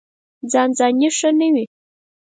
ځان ځاني ښه نه وي.